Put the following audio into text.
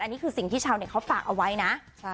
อันนี้คือสิ่งที่ชาวเน็ตเขาฝากเอาไว้นะ